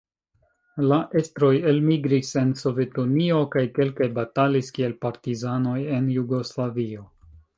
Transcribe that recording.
La estroj elmigris en Sovetunio kaj kelkaj batalis kiel partizanoj en Jugoslavio.